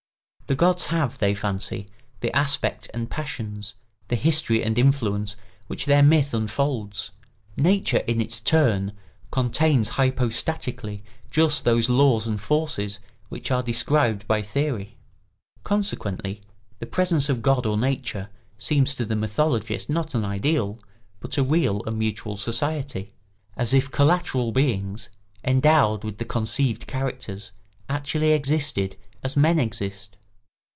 The gods have, they fancy, the aspect and passions, the history and influence which their myth unfolds; nature in its turn contains hypostatically just those laws and forces which are described by theory. Consequently the presence of God or Nature seems to the mythologist not an ideal, but a real and mutual society, as if collateral beings, endowed with the conceived characters, actually existed as men exist.